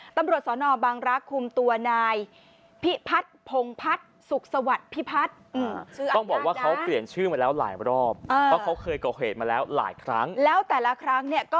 ตำรวจสอนอบังรักษณ์คุมตัวนาย